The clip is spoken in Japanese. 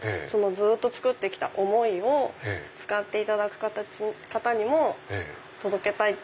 ずっと作って来た思いを使っていただく方にも届けたい。